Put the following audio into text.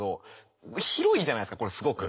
広いじゃないですかこれすごく。